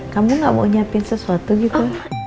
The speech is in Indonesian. kamu gak mau nyiapin sesuatu gitu